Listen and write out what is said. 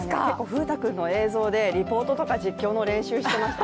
風太くんの映像でリポートとか実況の練習してました。